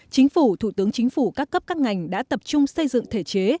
chính phủ thủ tướng chính phủ các cấp các ngành đã tập trung xây dựng thể chế